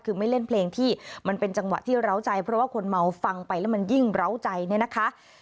คือไม่เล่นเพลงที่มันเป็นจังหวะที่ร้าวใจเพราะว่าคนเมาฟังไปแล้วมันยิ่งเหล้าใจเนี่ยนะคะ